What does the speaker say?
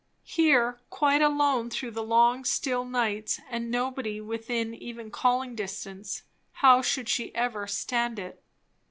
Here, quite alone through the long, still nights, and nobody within even calling distance, how should she ever stand it!